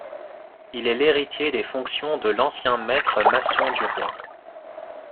Il est l'héritier des fonctions de l'ancien maître maçon du roi.